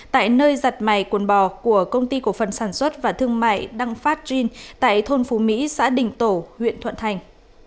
tại nơi giặt mài quần bò của công ty cổ phần sản xuất và thương mại đăng phát gen tại thôn phú mỹ xã đình tổ huyện thuận thành